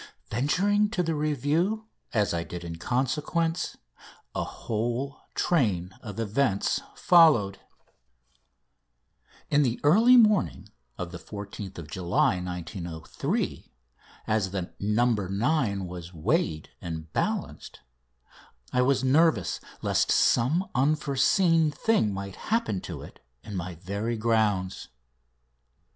Venturing to the review, as I did in consequence, a whole train of events followed. In the early morning of 14th July 1903, as the "No. 9" was weighed and balanced, I was nervous lest some unforeseen thing might happen to it in my very grounds.